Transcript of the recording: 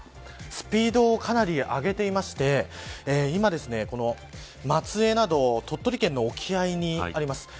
スピードをかなり上げていまして今、松江など鳥取県の沖合にあります。